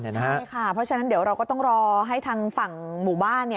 เพราะฉะนั้นเดี๋ยวเราก็ต้องรอให้ทางฝั่งหมู่บ้าน